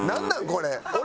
これ。